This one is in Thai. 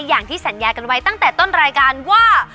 อย่างที่สัญญากันไว้ตั้งแต่ต้นรายการว่า